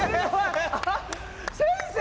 先生